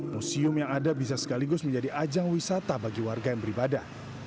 museum yang ada bisa sekaligus menjadi ajang wisata bagi warga yang beribadah